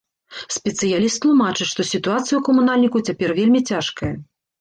Спецыяліст тлумачыць, што сітуацыя ў камунальнікаў цяпер вельмі цяжкая.